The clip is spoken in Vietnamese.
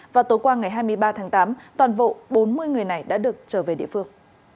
và tối qua ngày hai mươi ba tháng tám toàn bộ bốn mươi người này đã được trở về địa phương